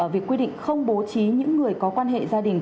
việc quy định không bố trí những người có quan hệ gia đình